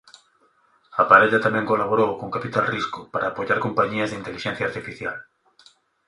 A parella tamén colaborou con capital risco para apoiar compañías de intelixencia artificial.